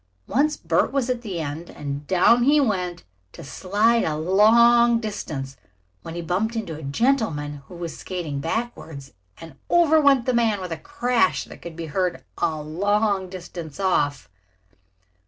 Once Bert was at the end and down he went, to slide a long distance, when he bumped into a gentleman who was skating backwards and over went the man with a crash that could be heard a long distance off.